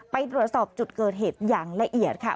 ไปตรวจสอบจุดเกิดเหตุอย่างละเอียดค่ะ